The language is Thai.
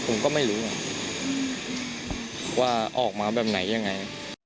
ผมก็ไม่รู้ว่าออกมาแบบไหนยังไง